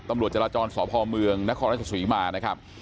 ตำรวจจราจรสพเมืองนรัฐสวิมานะครับ